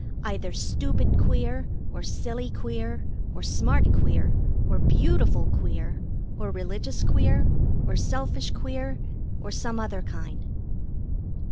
Either stupid queer, or silly queer, or smart queer, or beautiful queer, or religious queer, or selfish queer, or some other kind.